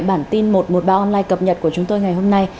bản tin một trăm một mươi ba online cập nhật của chúng tôi ngày hôm nay